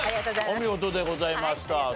お見事でございました。